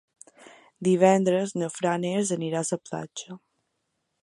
Divendres na Farners anirà a la platja.